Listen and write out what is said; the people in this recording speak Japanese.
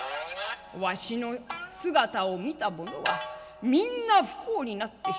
わしの姿を見た者はみんな不幸になってしまう。